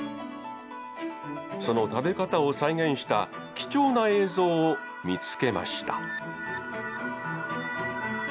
その食べ方を再現した貴重な映像を見つけました。